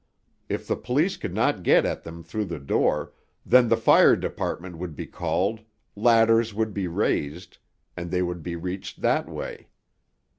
If the police could not get at them through the door, then the fire department would be called, ladders would be raised, and they would be reached that way.